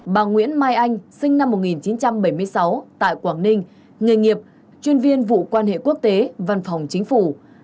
bà nguyễn mai anh sinh năm một nghìn chín trăm bảy mươi sáu tại quảng ninh nghề nghiệp chuyên viên vụ quan hệ quốc tế văn phòng chính phủ